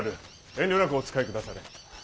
遠慮なくお使いくだされ。